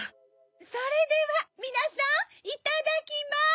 それではみなさんいただきます！